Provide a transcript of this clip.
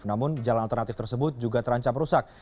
namun jalan alternatif tersebut juga terancam rusak